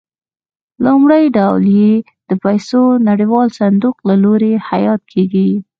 لومړی ډول یې د پیسو نړیوال صندوق له لوري حیات کېږي.